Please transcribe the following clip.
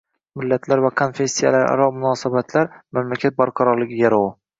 Millatlar va konfessiyalararo munosabatlar – mamlakat barqarorligi garovi